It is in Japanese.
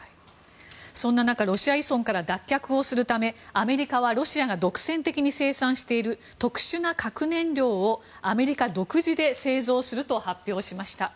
そんな中、ロシア依存から脱却をするためアメリカはロシアが独占的に生産している特殊な核燃料をアメリカ独自で製造すると発表しました。